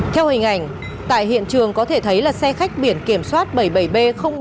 theo hình ảnh tại hiện trường có thể thấy là xe khách biển kiểm soát bảy mươi bảy b một trăm sáu mươi ba